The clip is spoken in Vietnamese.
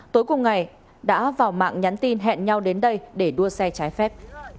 tối cùng ngày đã vào mạng nhắn tin hẹn nhau đến đây để đua xe trái phép